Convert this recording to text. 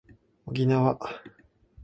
おきなわ